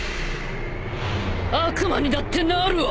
悪魔にだってなるわ！！